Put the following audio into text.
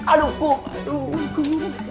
aduh kum aduh kum